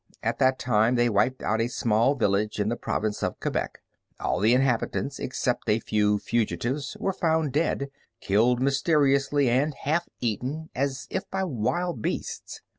At that time they wiped out a small village in the province of Quebec. All the inhabitants, except a few fugitives, were found dead, killed mysteriously and half eaten, as if by wild beasts.